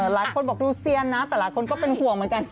หลายคนบอกดูเซียนนะแต่หลายคนก็เป็นห่วงเหมือนกัน